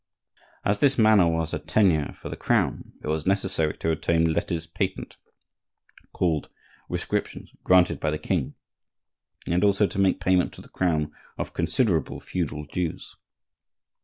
As this manor was a tenure from the Crown it was necessary to obtain letters patent (called rescriptions) granted by the king, and also to make payment to the Crown of considerable feudal dues.